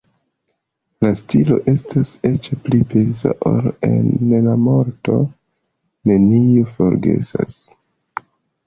La stilo estas eĉ pli peza ol en La morto neniun forgesas.